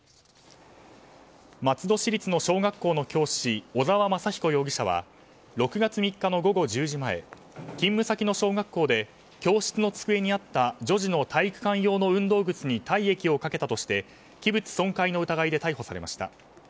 松戸市立の小学校の教師小沢正彦容疑者は６月３日の午後１０時前勤務先の小学校で教室の机にあった女児の体育館用の運動靴に体液をかけたとして器物損壊の疑いで逮捕されました。